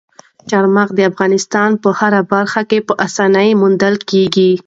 چار مغز د افغانستان په هره برخه کې په اسانۍ موندل کېږي.